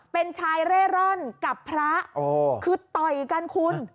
เป็นชายเร่ร่อนกับพระคือต่อยกันคุณ